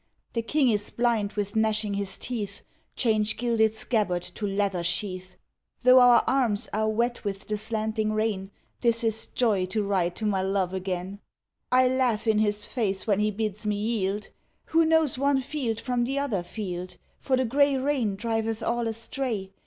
The king is blind with gnashing his teeth, Change gilded scabbard to leather sheath: Though our arms are wet with the slanting rain, This is joy to ride to my love again: I laugh in his face when he bids me yield; Who knows one field from the other field, For the grey rain driveth all astray?